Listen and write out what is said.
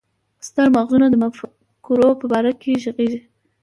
ستر مغزونه د مفکورو په باره کې ږغيږي.